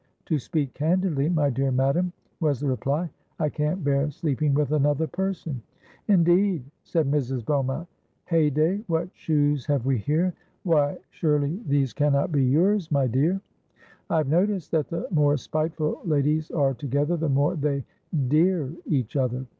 '—'To speak candidly, my dear madam,' was the reply, 'I can't bear sleeping with another person.'—'Indeed!' said Mrs. Beaumont. 'Hey day! what shoes have we here? Why, surely these cannot be your's, my dear?'—I have noticed that the more spiteful ladies are together, the more they 'dear' each other.